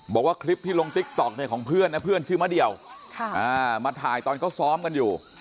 บอกว่าคลิปที่ลงติ๊กต๊อกเนี่ยของเพื่อนนะเพื่อนชื่อมะเดี่ยวมาถ่ายตอนเขาซ้อมกันอยู่